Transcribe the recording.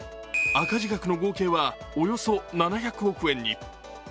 赤字額の合計はおよそ７００億円に。